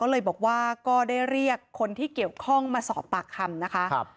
เลยบอกว่าก็ได้เรียกคนที่เกี่ยวข้องมาสอบปากคำนะคะ